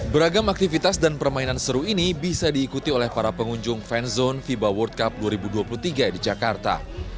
beragam aktivitas dan permainan seru ini bisa diikuti oleh para pengunjung fan zone fiba world cup dua ribu dua puluh tiga di jakarta